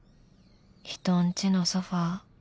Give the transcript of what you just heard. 人んちのソファ。